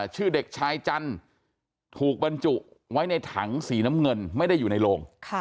ชื่อเด็กชายจันทร์ถูกบรรจุไว้ในถังสีน้ำเงินไม่ได้อยู่ในโรง